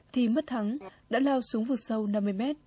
thì mất thắng đã lao xuống vực sâu năm mươi mét